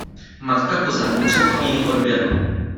Matka koza mu před chvílí odběhla.